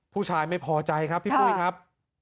ผู้ชายไม่พอใจครับพี่ปุ้ยครับ